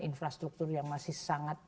infrastruktur yang masih sangat